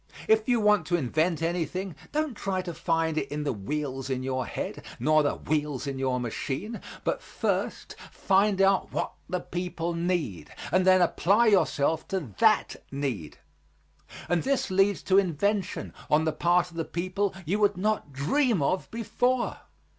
If you want to invent anything, don't try to find it in the wheels in your head nor the wheels in your machine, but first find out what the people need, and then apply yourself to that need, and this leads to invention on the part of the people you would not dream of before.